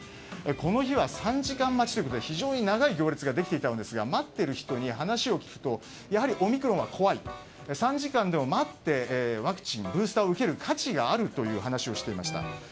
この日は３時間待ちということで非常に長い列ができていたんですが待っている人に話を聞くとやはりオミクロンは怖い３時間でも待ってワクチン、ブースターを受ける価値があるという話をしていました。